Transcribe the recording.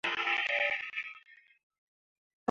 Fasyen ah kal suah ɓe be.